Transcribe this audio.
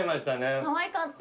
かわいかった。